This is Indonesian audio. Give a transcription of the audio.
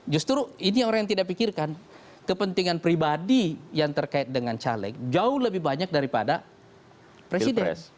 justru ini orang yang tidak pikirkan kepentingan pribadi yang terkait dengan caleg jauh lebih banyak daripada presiden